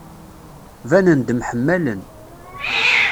Banen-d mḥemmalen.